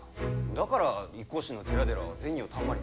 だから一向宗の寺々は銭をたんまり。